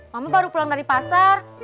mama baru pulang dari pasar